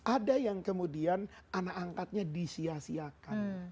ada yang kemudian anak angkatnya disiasiakan